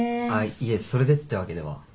あっいえそれでってわけでは。